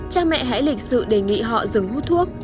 cha mẹ hãy lịch sử đề nghị họ dừng hút thuốc